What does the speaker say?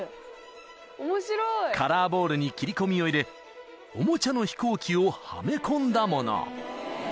［カラーボールに切り込みを入れおもちゃの飛行機をはめ込んだもの］